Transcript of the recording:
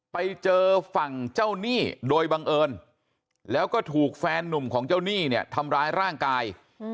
ไปเจอฝั่งเจ้าหนี้โดยบังเอิญแล้วก็ถูกแฟนนุ่มของเจ้าหนี้เนี่ยทำร้ายร่างกาย